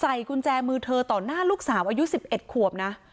กุญแจมือเธอต่อหน้าลูกสาวอายุ๑๑ขวบนะ